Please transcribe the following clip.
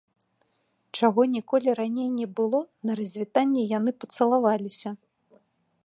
Чаго ніколі раней не было, на развітанні яны пацалаваліся.